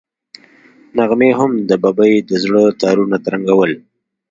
نغمې هم د ببۍ د زړه تارونه ترنګول.